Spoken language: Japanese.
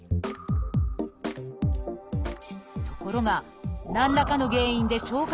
ところが何らかの原因で消化